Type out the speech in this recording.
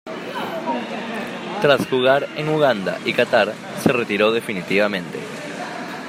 Tras jugar en Uganda y Catar, se retiró definitivamente.